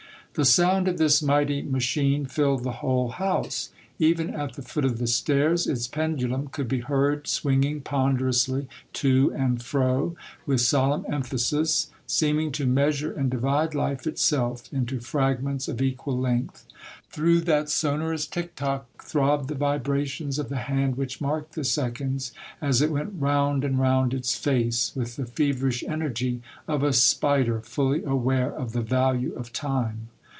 The sound of this mighty machine filled the whole house. Even at the foot of the stairs, its pendulum could be heard, swinging ponderously to and fro, with solemn emphasis, seeming to measure and divide life itself into fragments of equal length. Through that sonorous tick tock throbbed the vibrations of the hand which marked the seconds, as it went round and round its face, with the fever ish energy of a spider fully aware of the value of time.